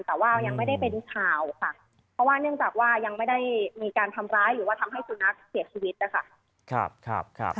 แต่ว่ายังไม่ได้เป็นข่าวค่ะเพราะว่าเนื่องจากว่ายังไม่ได้มีการทำร้ายหรือว่าทำให้สุนัขเสียชีวิตนะคะ